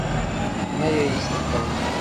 مه يې ايسته کوه